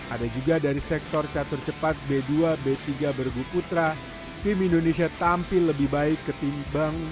ada juga dari sektor catur cepat b dua b tiga bergu putra tim indonesia tampil lebih baik ketimbang